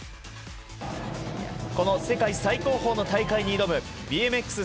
この世界最高峰の大会に挑むＢＭＸ